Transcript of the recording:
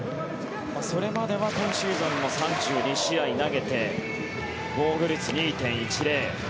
それまでは今シーズンも３２試合投げて防御率２．１０。